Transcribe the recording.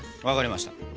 分かりました。